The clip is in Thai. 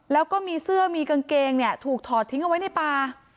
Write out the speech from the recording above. แล้วก็มีเสื้อมีกางเกงเนี่ยถูกถอดทิ้งเอาไว้ในป่า